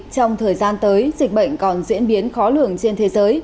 trong thời gian tới dịch bệnh còn diễn biến khó lường trên thế giới